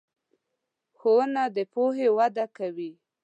ښوونه د پوهې وده کوي.